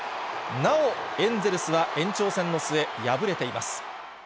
なおエンゼルスは延長戦の末、敗れています。